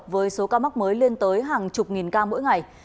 với số ca mắc mới lên tới hàng chục nghìn ca mỗi ngày